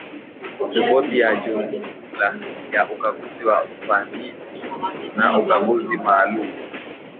Ripoti ya jumla ya ukaguzi wa ufanisi na ukaguzi maalumu